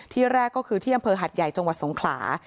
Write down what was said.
แรกก็คือที่อำเภอหัดใหญ่จังหวัดสงขลา